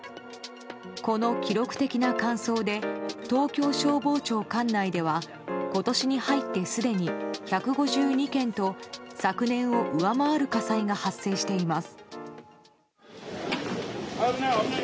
この記録的な乾燥で東京消防庁管内では今年に入ってすでに１５２件と昨年を上回る火災が発生しています。